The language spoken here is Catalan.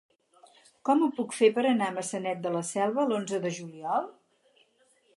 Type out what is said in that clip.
Com ho puc fer per anar a Maçanet de la Selva l'onze de juliol?